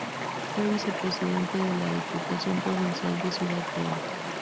Fue vicepresidente de la Diputación Provincial de Ciudad Real.